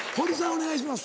お願いします。